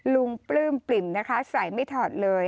ปลื้มปริ่มนะคะใส่ไม่ถอดเลย